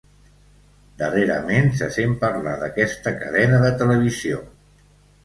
Darrerament se sent parlar d'aquesta cadena de televisió.